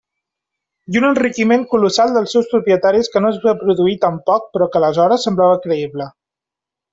I un enriquiment colossal dels seus propietaris que no es va produir tampoc però que aleshores semblava creïble.